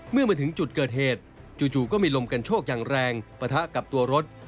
เมื่อมาถึงจุดเกิดเหตุจู่ก็มีลมกันโชคอย่างแรงปะทะกับตัวรถ